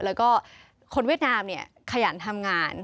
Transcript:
แล้วก็คนเวียดนามเนี่ยขยันทำงาน